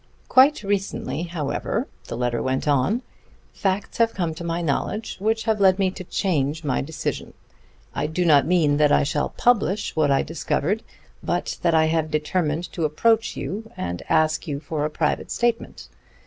Quite recently, however, (the letter went on) facts have come to my knowledge which have led me to change my decision. I do not mean that I shall publish what I discovered, but that I have determined to approach you and ask you for a private statement.